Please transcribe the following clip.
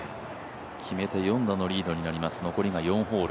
決めて４打のリードになります、残り４ホール。